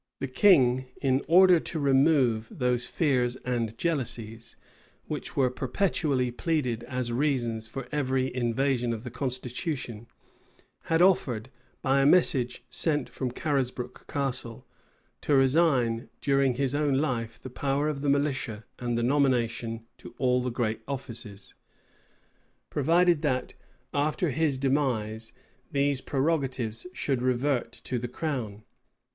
The king, in order to remove those fears and jealousies, which were perpetually pleaded as reasons for every invasion of the constitution, had offered, by a message sent from Carisbroke Castle, to resign, during his own life, the power of the militia and the nomination to all the great offices; provided that, after his demise, these prerogatives should revert to the crown.